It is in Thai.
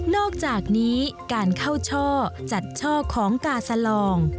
อกจากนี้การเข้าช่อจัดช่อของกาสลอง